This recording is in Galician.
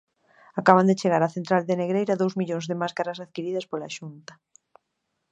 Acaban de chegar á central de Negreira dous millóns de máscaras adquiridas pola Xunta.